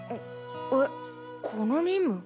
えっこの任務？